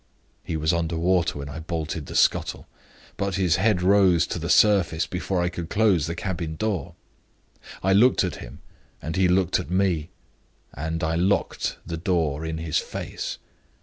He was under water when I bolted the scuttle. But his head rose to the surface before I could close the cabin door. I looked at him, and he looked at me and I locked the door in his face.